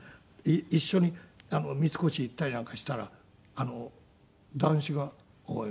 一緒に三越行ったりなんかしたら談志が「おい。